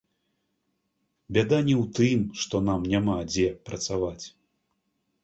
Бяда не ў тым, што нам няма дзе працаваць.